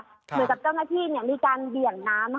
เหมือนกับเจ้าหน้าที่มีการเบี่ยงน้ำ